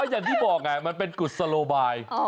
อย่างที่บอกมันเป็นกุศโลบาย